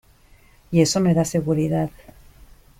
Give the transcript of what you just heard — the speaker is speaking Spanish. y eso me da seguridad.